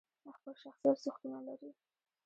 خپل شخصي ارزښتونه لري.